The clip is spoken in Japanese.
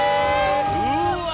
うわ！